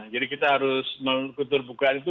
jadi kita harus menguruskan keterbukaan itu